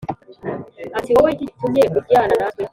ati “Wowe ni iki gitumye ujyana natwe?